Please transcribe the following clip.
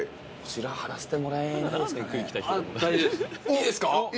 いいですか！？